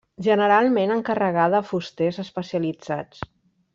Generalment encarregada a fusters especialitzats.